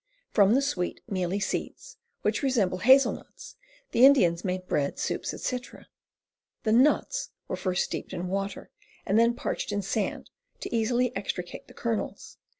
From the sweet, mealy seeds, which resemble hazel nuts, the Indians made bread, soups, etc. The '' nuts " were first steeped in water, and then parched in sand, to easily extricate the kernels.